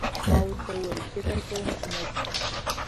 ما ورته وویل: فکر کوم چي مړ شو.